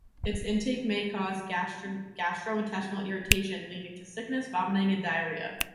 Its intake may cause gastrointestinal irritation leading to sickness, vomiting and diarrhea.